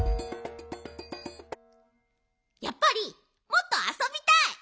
やっぱりもっとあそびたい！